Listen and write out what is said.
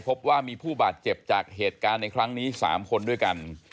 พบว่ามีผู้บาดเจ็บจากเหตุการณ์ในครั้งนี้๓คนด้วยกัน